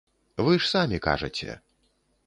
Вы ж самі кажаце.